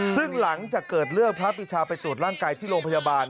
ซึ่งหลังจากเกิดเรื่องพระพิชาไปตรวจร่างกายที่โรงพยาบาล